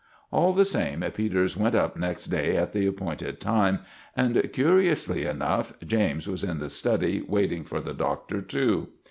All the same Peters went up next day at the appointed time, and, curiously enough, James was in the study waiting for the Doctor too.